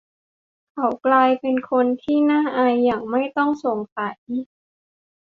เขากลายเป็นคนที่น่าอายอย่างไม่ต้องสงสัย